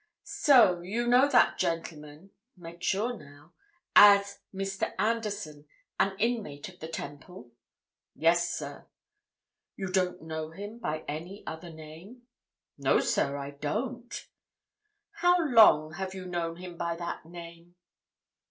"So you know that gentleman—make sure now—as Mr. Anderson, an inmate of the Temple?" "Yes, sir." "You don't know him by any other name?" "No, sir, I don't." "How long have you known him by that name?"